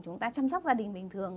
chúng ta chăm sóc gia đình bình thường